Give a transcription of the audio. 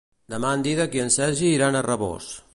Demà en Dídac i en Sergi iran a Rabós.